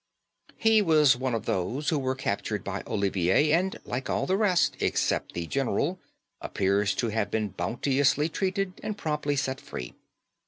He was one of those who were captured by Olivier, and, like all the rest except the general, appears to have been bounteously treated and promptly set free.